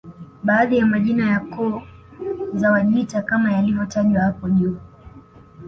Baadhi ya majina ya koo za Wajita kama yalivyotajwa hapo juu